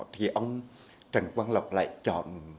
thì ông trần quang lộc lại chọn